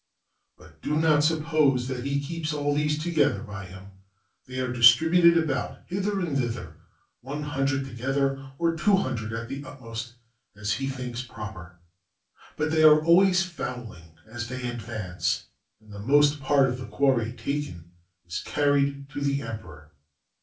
But do not suppose that he keeps all these together by him; they are distributed about, hither and thither, one hundred together, or two hundred at the utmost, as he thinks proper. But they are always fowling as they advance, and the most part of the quarry taken is carried to the emperor.